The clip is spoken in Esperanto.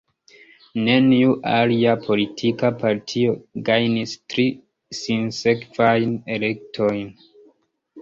Neniu alia politika partio gajnis tri sinsekvajn elektojn.